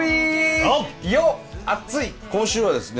今週はですね